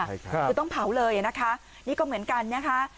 คือต้องเผาเลยนะคะนี่ก็เหมือนกันนะคะ